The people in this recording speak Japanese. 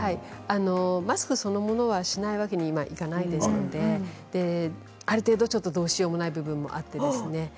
マスクそのものはしないわけには今いかないですのである程度どうしようもない部分もあってですね。